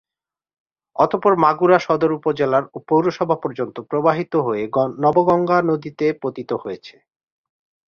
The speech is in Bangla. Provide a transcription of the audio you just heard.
অতঃপর মাগুরা সদর উপজেলার পৌরসভা পর্যন্ত প্রবাহিত হয়ে নবগঙ্গা নদীতে পতিত হয়েছে।